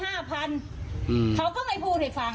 เขาก็ไม่พูดให้ฟัง